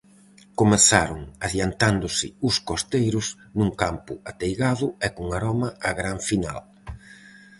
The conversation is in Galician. Comezaron adiantándose os costeiros, nun campo ateigado e con aroma a gran final.